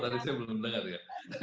tadi saya belum dengar ya